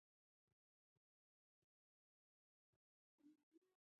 ما ته ولي وایې ؟ زما تېروتنه نه وه